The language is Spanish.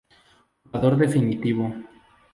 Curador definitivo.